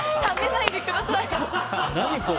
何これ。